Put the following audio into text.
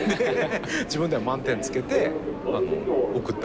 自分では満点つけて送ったわけ。